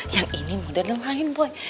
yang ini model lain boy